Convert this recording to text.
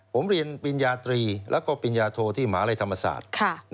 ผมเรียนปริญญาตรีแล้วก็ปริญญาโทที่หมาลัยธรรมศาสตร์